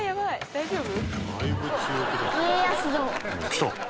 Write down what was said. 大丈夫？」